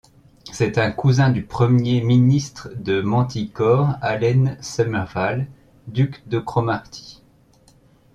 C'est un cousin du premier ministre de Manticore Allen Summervale, duc de Cromarty.